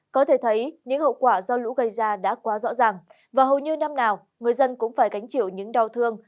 có thể thấy những hậu quả do lũ gây ra đã quá rõ ràng và hầu như năm nào người dân cũng phải gánh chịu những đau thương